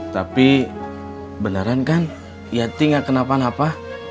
tapi beneran kan yati gak kenapa napa